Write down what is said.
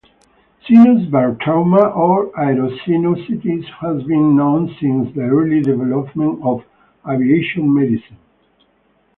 Sinus barotrauma or aerosinusitis has been known since the early development of aviation medicine.